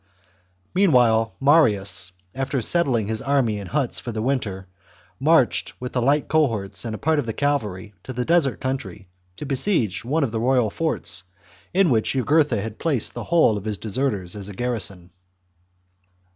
CHAP. Meanwhile Marius, after settling his army in huts for the winter, marched with the light cohorts and a part of the cavalry to the desert country to besiege one of the royal forts, in which Jugurtha had placed the whole of his deserters as a garrison.